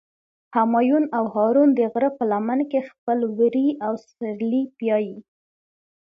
همایون او هارون د غره په لمن کې خپل وري او سرلي پیایی.